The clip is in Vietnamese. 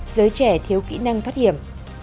giới trẻ thiếu kỹ năng thoát hiểm